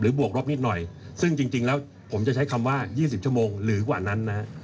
บวกรบนิดหน่อยซึ่งจริงแล้วผมจะใช้คำว่า๒๐ชั่วโมงหรือกว่านั้นนะฮะ